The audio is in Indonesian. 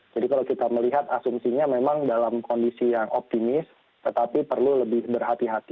jadi kalau kita melihat asumsinya memang dalam kondisi yang optimis tetapi perlu lebih berhati hati